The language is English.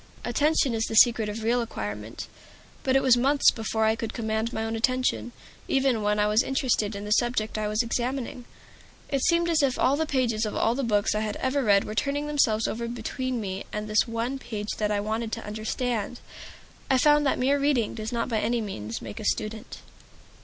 Attention is the secret of real acquirement; but it was months before I could command my own attention, even when I was interested in the subject I was examining. It seemed as if all the pages of all the books I had ever read were turning themselves over between me and this one page that I wanted to understand. I found that mere reading does not by any means make a student.